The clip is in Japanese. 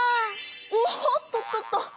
おっとっとっと。